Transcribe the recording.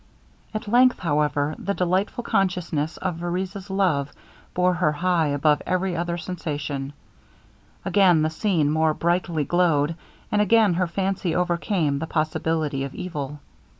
At length, however, the delightful consciousness of Vereza's love bore her high above every other sensation; again the scene more brightly glowed, and again her fancy overcame the possibility of evil.